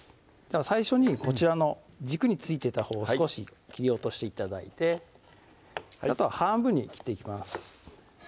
最初にこちらの軸に付いてたほうを少し切り落として頂いてあとは半分に切っていきます